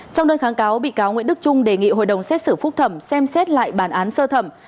trong đơn kháng cáo bị cáo nguyễn đức trung đề nghị hội đồng xét xử phúc thẩm xem xét lại bản án sơ thẩm